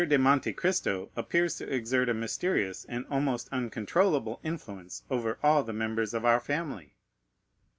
de Monte Cristo appears to exert a mysterious and almost uncontrollable influence over all the members of our family."